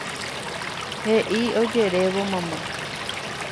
He'i ojerévo mamá.